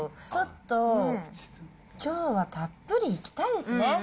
ちょっと、きょうはたっぷりいきたいですね。